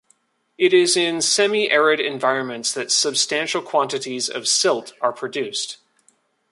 It is in semi-arid environments that substantial quantities of silt are produced.